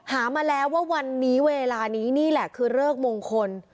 หามาแล้วว่าวันนี้เวลานี้นี่แหละคือเลิกมงคล